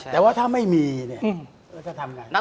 แต่ว่าถ้าไม่มีเราจะทำอย่างไร